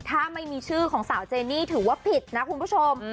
ถ้าไม่มีชื่อของสาวเจนี่ถือว่าผิดนะคุณผู้ชม